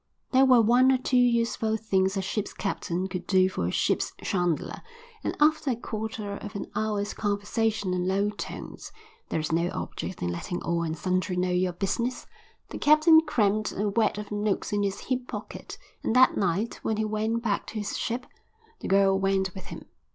There were one or two useful things a ship's captain could do for a ship's chandler, and after a quarter of an hour's conversation in low tones (there is no object in letting all and sundry know your business), the captain crammed a wad of notes in his hip pocket, and that night, when he went back to his ship, the girl went with him.